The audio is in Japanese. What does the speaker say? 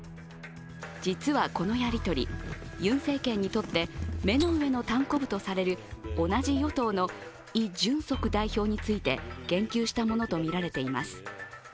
実はこのやり取り、ユン政権にとって目の上のたんこぶとされる同じ与党のイ・ジュンソク代表について言及したものとみられています。